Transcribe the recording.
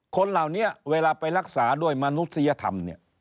คนเหล่านี้เวลาไปรักษาด้วยมนุษยธรรมเนี่ย